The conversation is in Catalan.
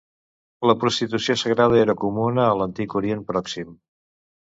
La prostitució sagrada era comuna a l'antic Orient Pròxim.